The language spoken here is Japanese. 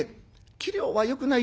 器量はよくない